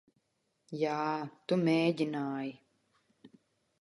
Jā, tu mēģināji.